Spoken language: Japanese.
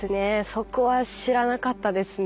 そこは知らなかったですね。